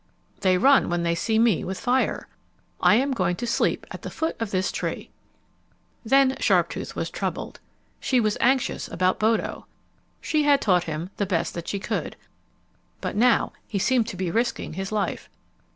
"They run when they see me with fire. I am going to sleep at the foot of this tree." Then Sharptooth was troubled. She was anxious about Bodo. She had taught him the best that she could. But now he seemed to be risking his life.